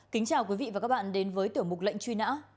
kính chào quý vị và các bạn đến với tiểu mục lệnh truy nã